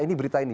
ini berita ini